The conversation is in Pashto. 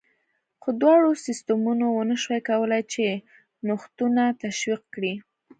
خو دواړو سیستمونو ونه شوای کولای چې نوښتونه تشویق کړي